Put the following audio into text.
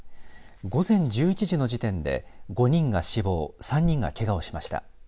午前１１時の時点で５人が死亡３人がけがをしました。